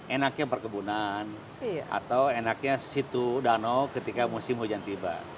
enaknya perkebunan atau enaknya situ danau ketika musim hujan tiba